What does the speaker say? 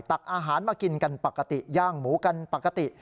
ตักอาหารมากินกันปกติย่างหมูกันปกติ